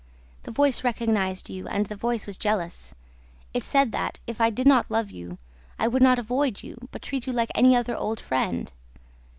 ... The voice recognized you and the voice was jealous! ... It said that, if I did not love you, I would not avoid you, but treat you like any other old friend.